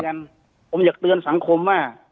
ผมอยากเตือนสังคมว่า